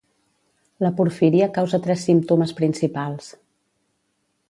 La porfíria causa tres símptomes principals.